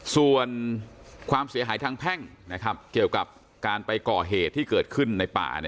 ส่วนความเสียหายทางแพ่งเกี่ยวกับการไปก่อเหตุที่เกิดขึ้นในป่า